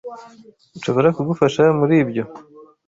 Nshobora kugufasha muri ibyo?